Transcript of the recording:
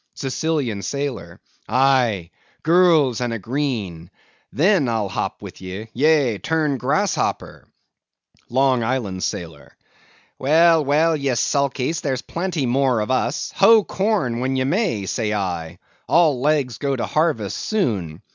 SICILIAN SAILOR. Aye; girls and a green!—then I'll hop with ye; yea, turn grasshopper! LONG ISLAND SAILOR. Well, well, ye sulkies, there's plenty more of us. Hoe corn when you may, say I. All legs go to harvest soon.